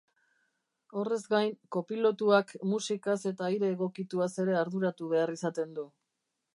Horrez gain, kopilotuak musikaz eta aire egokituaz ere arduratu behar izaten du.